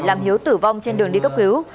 làm hiếu tử vong trên đường đi cấp cứu